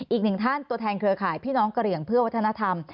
อีกหนึ่งท่านตัวแทนเครือข่ายพี่น้องกระเหลี่ยงเพื่อวัฒนธรรม